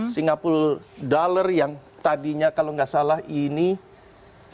singapura dollar yang tadinya kalau nggak salah ini singapura dollar ada